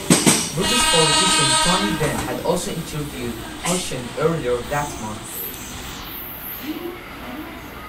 British politician Tony Benn had also interviewed Hussein earlier that month.